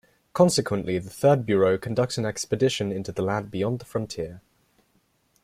Consequently, the Third Bureau conducts an expedition into the land beyond the frontier.